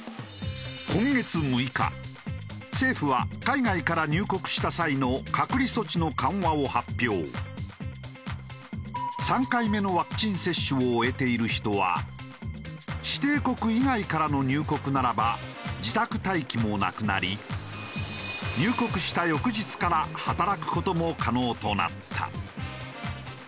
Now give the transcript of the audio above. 今月６日政府は海外から入国した際の３回目のワクチン接種を終えている人は指定国以外からの入国ならば自宅待機もなくなり入国した翌日から働く事も可能となった。